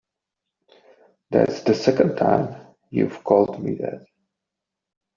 That's the second time you've called me that.